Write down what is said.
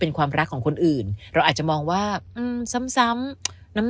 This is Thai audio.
เป็นความรักของคนอื่นเราอาจจะมองว่าอืมซ้ำน้ำ